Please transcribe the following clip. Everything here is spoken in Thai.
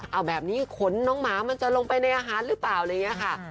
เอาแบบนี้ขนน้องหมาจะลงไปในอาหารหรือเปล่าใช่ไหม